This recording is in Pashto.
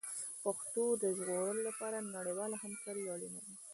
د پښتو د ژغورلو لپاره نړیواله همکاري اړینه ده.